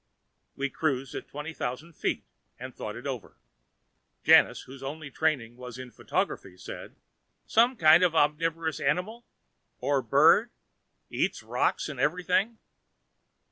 We cruised at twenty thousand feet and thought it over. Janus, whose only training was in photography, said, "Some kind of omnivorous animal? Or bird? Eats rocks and everything?"